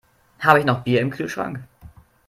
Habe ich noch Bier im Kühlschrank?